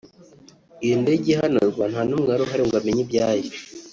iyo ndege ihanurwa ntanumwe wari uhari ngo amenye ibyayo